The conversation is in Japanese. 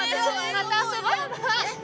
また遊ぼ。